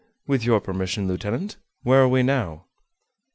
With your permission, lieutenant, where are we now?"